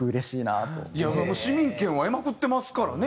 いやもう市民権は得まくってますからね